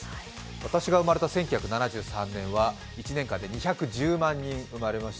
私が生まれた１９７３年は１年間で１１０万人が生まれました。